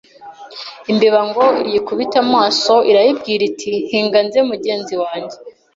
Imbeba ngo iyikubite amaso, irayibwira iti hinga nze mugenzi wanjye